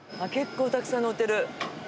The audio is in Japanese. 結構たくさん乗ってる。